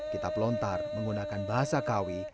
kitab lontar menggunakan bahasa kawi